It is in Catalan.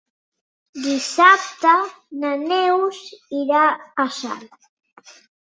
Dissabte na Neus irà a Salt.